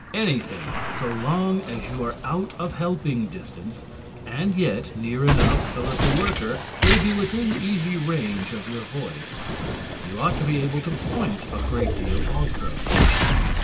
Anything so long as you are out of helping distance and yet near enough so that the worker will be within easy range of your voice. You ought to be able to point a great deal, also.